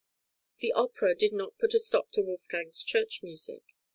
" The opera did not put a stop to Wolfgang's church music.